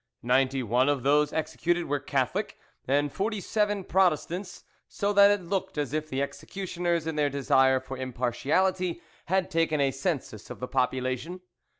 Ninety one of those executed were Catholic, and forty seven Protestants, so that it looked as if the executioners in their desire for impartiality had taken a census of the population.